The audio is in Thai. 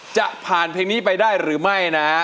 จะผ่านเพลงนี้ไปได้หรือไม่นะ